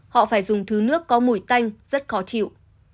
họ phải dùng thứ nước có mùi tanh rất khó chịu